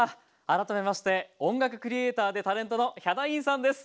改めまして音楽クリエーターでタレントのヒャダインさんです。